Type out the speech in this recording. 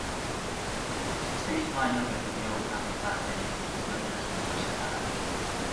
Este mismo año recibió una beca de la Institución de las Letras Catalanas.